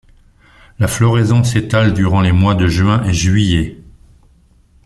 La floraison s'étale durant les mois de juin et juillet.